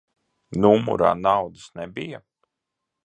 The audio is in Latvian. Numurā naudas nebija?